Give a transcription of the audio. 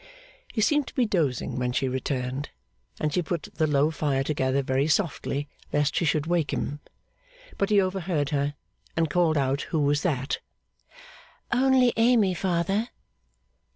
He seemed to be dozing when she returned, and she put the low fire together very softly lest she should awake him. But he overheard her, and called out who was that? 'Only Amy, father.